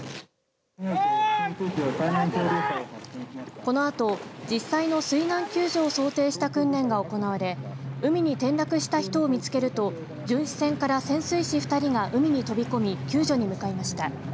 このあと、実際の水難救助を想定した訓練が行われ海に転落した人を見つけると巡視船から潜水士２人が海に飛び込み救助に向かいました。